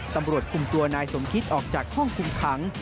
ตำรวจคุมตัวนายสมคิตออกจากห้องคุมขัง